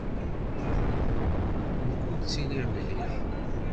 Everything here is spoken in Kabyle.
Nekk ur ttiliɣ lhiɣ.